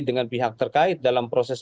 dengan pihak terkait dalam proses